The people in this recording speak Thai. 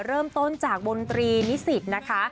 เริ่มต้นจากบนตรีนิสิตนะคะ